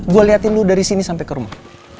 gue liatin dulu dari sini sampe ke rumah